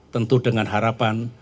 tentu dengan harapan